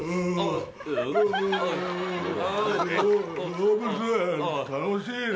動物園楽しいね。